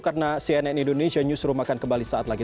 karena cnn indonesian newsroom akan kembali saat lagi